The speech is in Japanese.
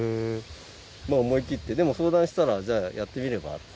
まぁ思い切ってでも相談したらじゃあやってみればって。